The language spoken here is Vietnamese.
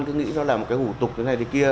cứ nghĩ nó là một cái hủ tục thế này thế kia